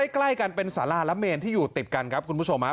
ใกล้กันเป็นสาราและเมนที่อยู่ติดกันครับคุณผู้ชมครับ